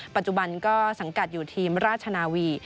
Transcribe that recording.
ปัจจุบันก็สังกัดอยู่ทีมราชนาวี